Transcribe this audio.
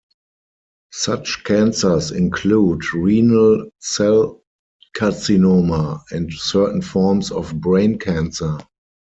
Such cancers include renal cell carcinoma, and certain forms of brain cancer.